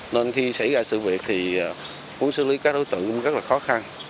nên khi xảy ra sự việc thì muốn xử lý các đối tượng cũng rất là khó khăn